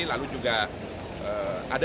lalu juga ada beberapa